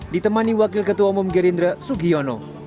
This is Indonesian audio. ditemani wakil ketua umum gerindra sugiono